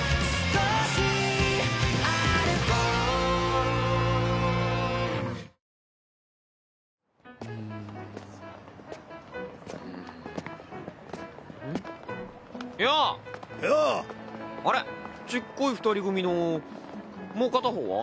ちっこい二人組のもう片方は？